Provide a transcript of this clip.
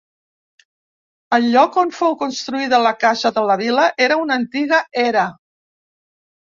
El lloc on fou construïda la casa de la Vila era una antiga era.